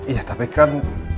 ya tapi kan